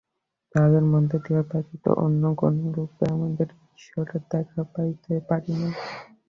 তাঁহাদের মধ্য দিয়া ব্যতীত অন্য কোনরূপে আমরা ঈশ্বরের দেখা পাইতে পারি না।